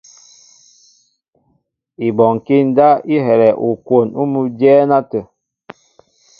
Ibɔnkí ndáp i helɛ ukwon úmi ú dyɛ́ɛ́n átə̂.